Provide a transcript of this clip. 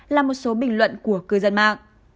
là một số bình luận của cư dân mạng